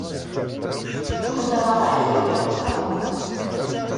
Heddreɣ-ak, tugiḍ ad tfehmeḍ.